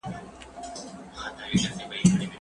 د سياسي ژوند په اوږدو کي ډېر بدلونونه راځي.